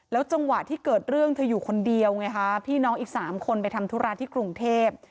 จังหวะที่เกิดเรื่องเธออยู่คนเดียวไงคะพี่น้องอีก๓คนไปทำธุระที่กรุงเทพ